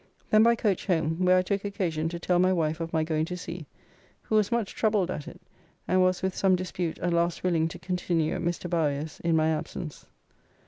Then by coach home, where I took occasion to tell my wife of my going to sea, who was much troubled at it, and was with some dispute at last willing to continue at Mr. Bowyer's in my absence.